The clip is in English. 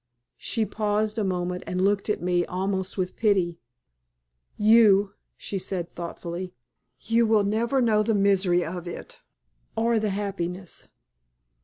She paused a moment and looked at me almost with pity. "You," she said, thoughtfully "you will never know the misery of it or the happiness!"